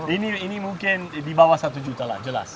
ini mungkin di bawah satu juta lah jelas